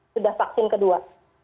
sudah vaksin kedua